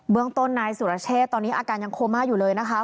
เมืองต้นนายสุรเชษตอนนี้อาการยังโคม่าอยู่เลยนะคะ